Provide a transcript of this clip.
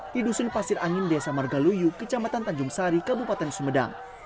di dusun pasir angin desa margaluyu kecamatan tanjung sari kabupaten sumedang